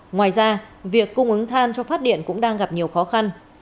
ngoài ra việc cung ứng than cho phát điện cũng đang gặp nhiều khó khăn